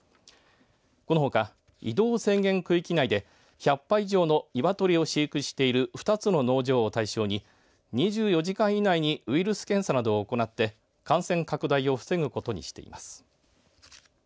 このほか、移動制限区域内で１００羽以上のニワトリを飼育している２つの農場を対象に２４時間以内にウイルス検査などを行って感染拡大を防ぐことにしています。